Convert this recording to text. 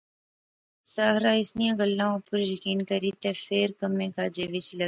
ساحرہ اس نیاں گلاہ اُپر یقین کری تے فیر کمے کاجے وچ لاغی گینی سی